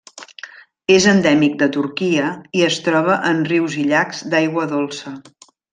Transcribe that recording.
És endèmic de Turquia i es troba en rius i llacs d'aigua dolça.